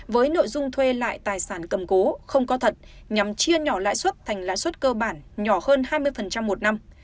với nội dung thuê lại tài sản cầm cố không có thật nhằm chia nhỏ lãi suất thành lãi suất cơ bản nhỏ hơn hai mươi một năm